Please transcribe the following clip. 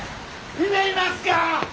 姫いますか？